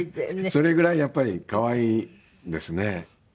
それぐらいやっぱり可愛いですね。